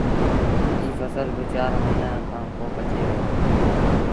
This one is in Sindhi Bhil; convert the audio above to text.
ايٚ ڦسل با چآر موهيݩآ کآݩ پو پچي وهي دو